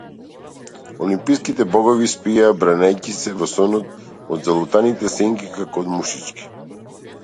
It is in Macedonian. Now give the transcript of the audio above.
Олимпските богови спиеја бранејќи се во сонот од залутаните сенки, како од мушички.